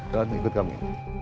dan ikut kami